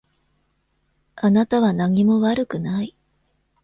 あなたは何も悪くない。